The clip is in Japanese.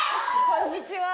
こんにちは！